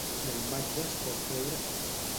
La imatge es pot veure aquí.